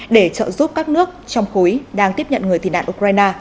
để trợ giúp các nước trong khối đang tiếp nhận người tị nạn ukraine